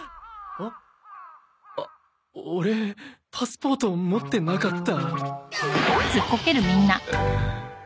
あっオレパスポート持ってなかった。